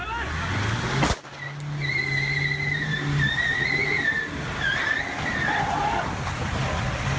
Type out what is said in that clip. บอกไว้